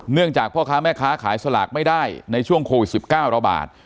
จากพ่อค้าแม่ค้าขายสลากไม่ได้ในช่วงโควิด๑๙ระบาด